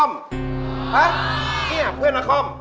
นี่เพื่อนนคร